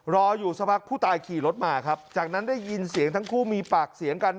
รออยู่สักพักผู้ตายขี่รถมาครับจากนั้นได้ยินเสียงทั้งคู่มีปากเสียงกัน